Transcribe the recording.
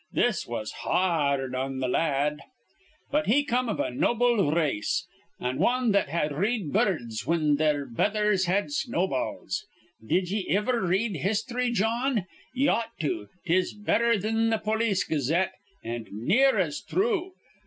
This was ha ard on th' lad. "But he come iv a noble race, an' wan that had reed burruds whin their betthers had snowballs. Did ye iver read histhry, Jawn? Ye ought to. 'Tis betther thin th' Polis Gazette, an' near as thrue.